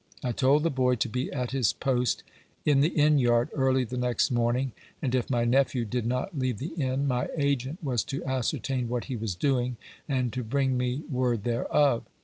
I told the boy to be at his post in the inn yard early the next morning, and if my nephew did not leave the inn, my agent was to ascertain what he was doing, and to bring me word thereof.